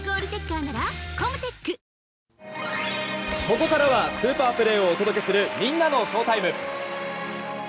ここからはスーパープレーをお届けするみんなのＳＨＯＷＴＩＭＥ。